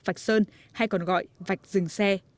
vạch sơn hay còn gọi vạch dừng xe